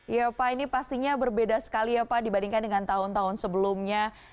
ya pak ini pastinya berbeda sekali ya pak dibandingkan dengan tahun tahun sebelumnya